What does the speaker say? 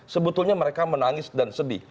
sebetulnya mereka menangis dan sedih